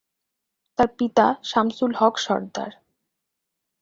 তার পিতা শামসুল হক সরদার।